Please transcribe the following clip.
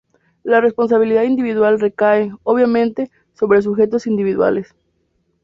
La responsabilidad individual recae, obviamente, sobre sujetos individuales.